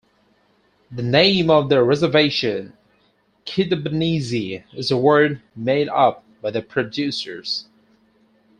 The name of the reservation, "Kidabaneesee," is a word made up by the producers.